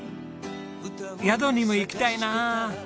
宿にも行きたいな。